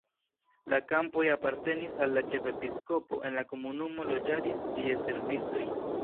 La kampoj apartenis al la ĉefepiskopo, en la komunumo loĝadis ties servistoj.